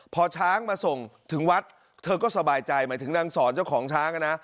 พอช้างมาส่งถึงวัดเธอก็สบายใจหมายถึงนางสอนเจ้าของช้างนะ